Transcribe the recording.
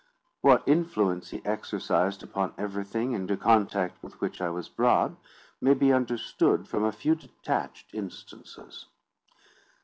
What influence he exercised upon everything into contact with which I was brought, may be understood from a few detached instances.